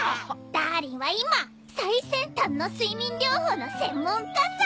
ダーリンは今最先端の睡眠療法の専門家さ！